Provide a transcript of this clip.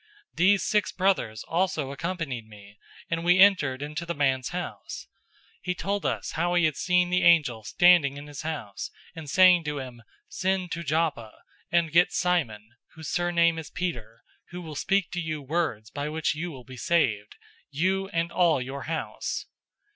These six brothers also accompanied me, and we entered into the man's house. 011:013 He told us how he had seen the angel standing in his house, and saying to him, 'Send to Joppa, and get Simon, whose surname is Peter, 011:014 who will speak to you words by which you will be saved, you and all your house.'